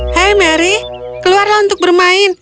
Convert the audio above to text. hai mary keluarlah untuk bermain